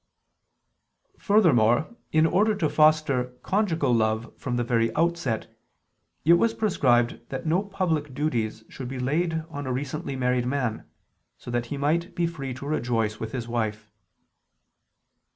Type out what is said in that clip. Furthermore, in order to foster conjugal love from the very outset, it was prescribed that no public duties should be laid on a recently married man, so that he might be free to rejoice with his wife.